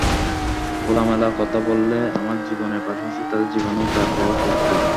খোলামেলা কথা বললে আমার জীবনের পাশাপাশি তাঁদের জীবনেও তার প্রভাব পড়ত।